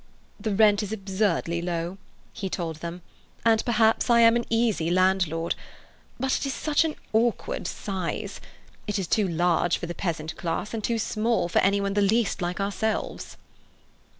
"The rent is absurdly low," he told them, "and perhaps I am an easy landlord. But it is such an awkward size. It is too large for the peasant class and too small for any one the least like ourselves."